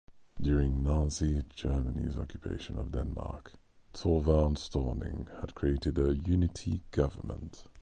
During Nazi Germany's occupation of Denmark, Thorvald Stauning had created a "unity government".